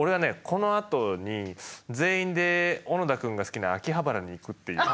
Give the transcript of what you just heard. このあとに全員で小野田くんが好きな秋葉原に行くっていう。